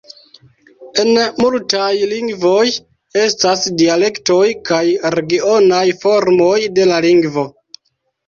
En multaj lingvoj estas dialektoj kaj regionaj formoj de la lingvo.